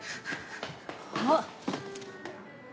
あっ！